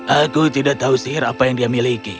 aku tidak tahu sih apa yang dia miliki